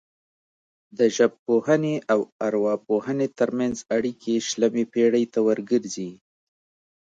د ژبپوهنې او ارواپوهنې ترمنځ اړیکې شلمې پیړۍ ته ورګرځي